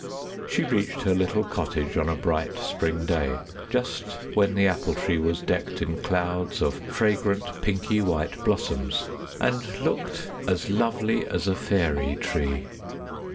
She reached her little cottage on a bright spring day, just when the Apple Tree was decked in clouds of fragrant, pinky white blossoms, and looked as lovely as a fairy tree.